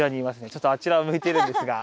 ちょっとあちらを向いているんですが。